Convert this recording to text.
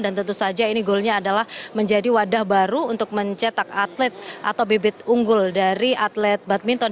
dan tentu saja ini goalnya adalah menjadi wadah baru untuk mencetak atlet atau bibit unggul dari atlet badminton